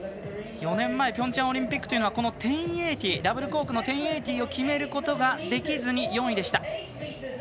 ４年前ピョンチャンオリンピックではこのダブルコークの１０８０を決めることができずに４位でした。